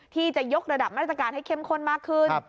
ที่จะยกระดับมาตรการให้เข้มข้นมากขึ้น